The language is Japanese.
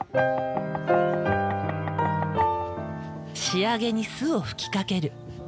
仕上げに酢を吹きかける。